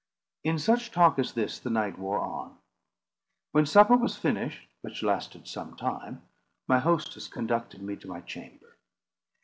In such talk as this the night wore on. When supper was finished, which lasted some time, my hostess conducted me to my chamber.